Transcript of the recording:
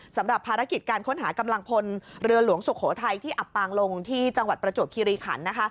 สำหรับภารกิจการค้นหากำลังพลเรือหลวงสุโขทัยที่อับปางลงที่จังหวัดประจวบคิริขัน